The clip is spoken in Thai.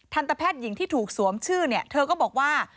ทันตาแพทย์หญิงที่ถูกสวมชื่อเธอก็บอกว่า